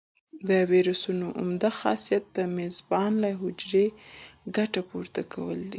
د ویروسونو عمده خاصیت د میزبان له حجرې ګټه پورته کول دي.